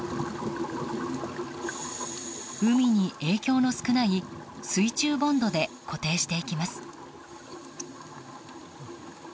海に影響の少ない水中ボンドで固定していきます。